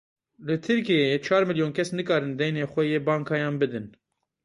Li Tirkiyeyê çar milyon kes nikarin deynê xwe yê bankayan bidin.